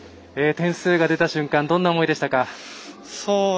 点数が出た瞬間どんな思いでしたか？